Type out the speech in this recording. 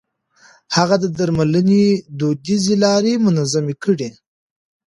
هغه د درملنې دوديزې لارې منظمې کړې.